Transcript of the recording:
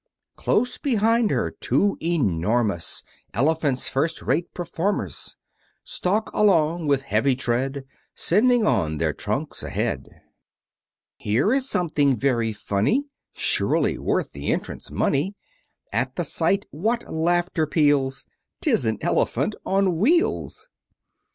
Close behind her two enormous Elephants, first rate performers, Stalk along with heavy tread, Sending on their trunks ahead. Here is something very funny, Surely worth the entrance money; At the sight what laughter peals! 'Tis an Elephant on wheels!